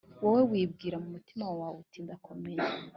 wowe wibwira mu mutima wawe, uti ndakomeye